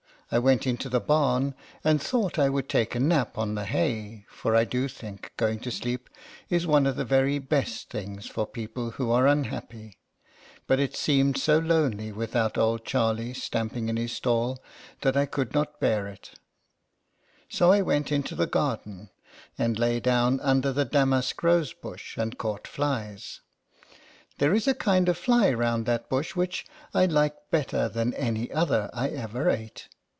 I went into the barn, and thought I would take a nap on the hay, for I do think going to sleep is one of the very best things for people who are unhappy ; but it seemed so lonely without old Charlie stamping in his stall that I could not bear it, " I felt very unhappy after you drove off yesterday." PAGE 28. LETTERS FROM A CAT. 29 so I went into the garden, and lay down under the damask rose bush, and caught flies. There is a kind of fly round that bush which I like better than any other I ever ate.